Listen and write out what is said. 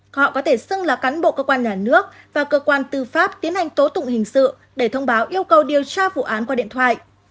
họ có thể xưng là cán bộ cơ quan nhà nước và cơ quan tư pháp tiến hành tố tụng hình sự để thông báo yêu cầu điều tra vụ án qua điện thoại